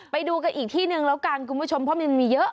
ไปดูกันอีกที่หนึ่งแล้วกันเพราะมันมีเยอะ